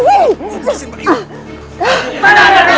sudah silahkan mbak yu